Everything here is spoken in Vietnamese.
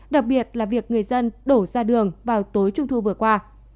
đặc biệt là việc người dân đổ ra đường vào tối trung thu vừa qua